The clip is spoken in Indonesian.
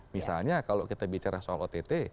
misalnya kalau kita bicara soal ott